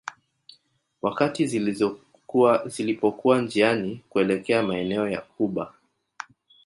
Wakati zilipokuwa njiani kuelekea maeneo ya Cuba